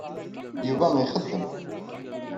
Yuba ixeddem.